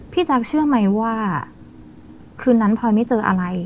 แจ๊คเชื่อไหมว่าคืนนั้นพลอยไม่เจออะไร